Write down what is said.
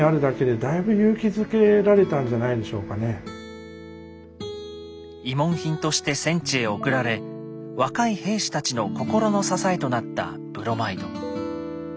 そういう部分では慰問品として戦地へ送られ若い兵士たちの心の支えとなったブロマイド。